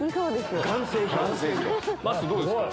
まっすーどうですか？